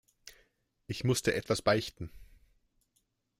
Ich muss dir etwas beichten.